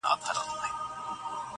خلک هر څه کوي خو هر څه نه وايي -